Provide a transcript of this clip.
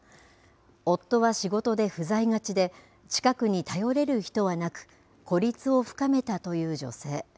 夫は仕事で不在がちで近くに頼れる人はなく孤立を深めたという女性。